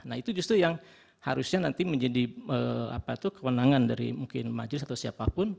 nah itu justru yang harusnya nanti menjadi kewenangan dari mungkin majelis atau siapapun